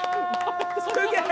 すげえ！